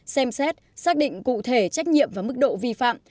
xem xét xác định cụ thể trách nhiệm và mức độ vi phạm